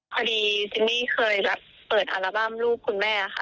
พอดีจินนี่เคยแบบเปิดอัลบั้มลูกคุณแม่ค่ะ